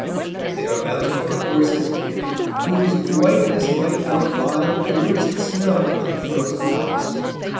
They are mounted upon horses "whose whiteness might outvie the purest snow upon the frozen Alps."